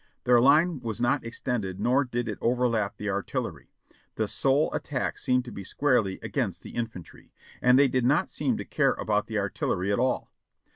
Their line was not extended nor did it overlap the artillery ; the sole attack seemed to be squarely against the in fantry, and they did not seem to care about the artillery at all.